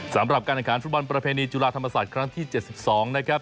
สำหรับการแข่งขันฟุตบอลประเพณีจุฬาธรรมศาสตร์ครั้งที่๗๒นะครับ